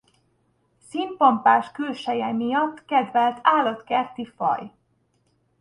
Színpompás külseje miatt kedvelt állatkerti faj.